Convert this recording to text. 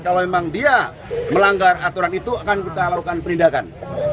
kalau memang dia melanggar aturan itu akan kita lakukan penindakan